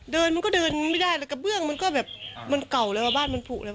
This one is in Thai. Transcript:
เดินมันก็เดินไม่ได้แล้วกระเบื้องมันก็แบบมันเก่าแล้วบ้านมันผูกเลย